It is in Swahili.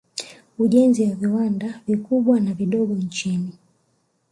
Ujenzi wa viwanda vikubwa na vidogo nchini